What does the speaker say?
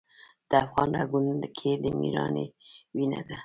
د افغان رګونو کې د میړانې وینه ده.